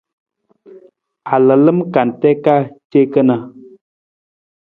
A lalam kante ka ce kana.